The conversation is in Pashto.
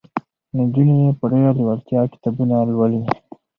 نجونې په ډېره لېوالتیا کتابونه لولي.